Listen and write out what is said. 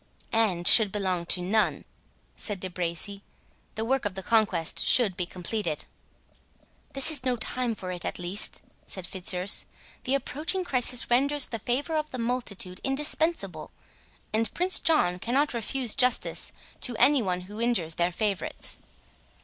"And should belong to none," said De Bracy; "the work of the Conquest should be completed." "This is no time for it at least," said Fitzurse "the approaching crisis renders the favour of the multitude indispensable, and Prince John cannot refuse justice to any one who injures their favourites."